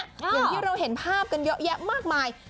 อย่างที่เราเห็นภาพกันเยอะแยะมากมาย